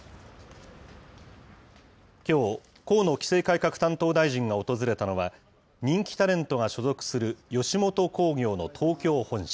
きょう、河野規制改革担当大臣が訪れたのは、人気タレントが所属する吉本興業の東京本社。